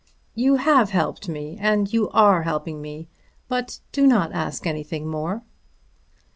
"You have helped me, and you are helping me. But do not ask anything more."